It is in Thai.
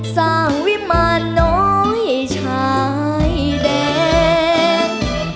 สร้างวิมานโน้ยชายแดง